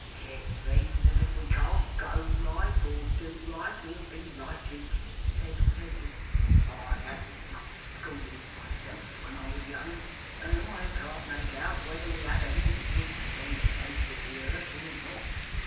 'It seems as if we can't go right, or do right, or be righted,' said Toby. 'I hadn't much schooling, myself, when I was young; and I can't make out whether we have any business on the face of the earth, or not.